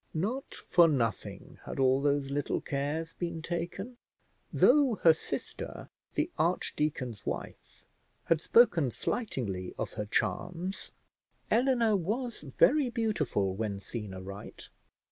Not for nothing had all those little cares been taken. Though her sister, the archdeacon's wife, had spoken slightingly of her charms, Eleanor was very beautiful when seen aright.